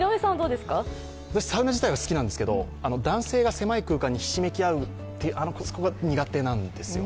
私はサウナじたいは好きなんですけれども、男性が狭い空間にひしめき合うという、そこが苦手なんですよ。